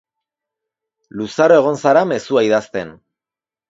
Luzaro egon zara mezua idazten.